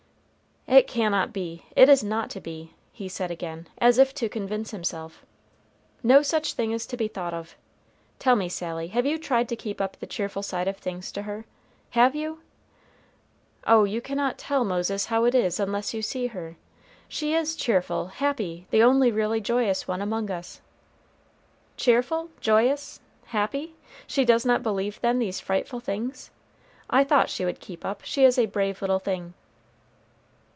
"It cannot be; it is not to be," he said again, as if to convince himself. "No such thing is to be thought of. Tell me, Sally, have you tried to keep up the cheerful side of things to her, have you?" "Oh, you cannot tell, Moses, how it is, unless you see her. She is cheerful, happy; the only really joyous one among us." "Cheerful! joyous! happy! She does not believe, then, these frightful things? I thought she would keep up; she is a brave little thing."